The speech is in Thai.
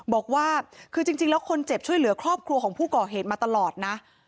บอกว่าคือจริงแล้วคนเจ็บช่วยเหลือครอบครัวของผู้ก่อเหตุมาตลอดนะ